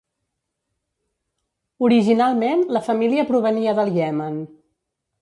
Originalment la família provenia del Iemen.